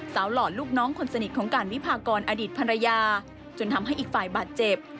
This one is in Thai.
หล่อลูกน้องคนสนิทของการวิพากรอดีตภรรยาจนทำให้อีกฝ่ายบาดเจ็บ